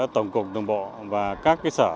tổng cục đồng bộ và các cái sở